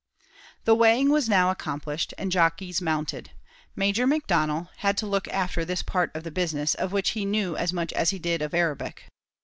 The weighing was now accomplished, and jockeys mounted. Major McDonnell had to look after this part of the business, of which he knew as much as he did of Arabic.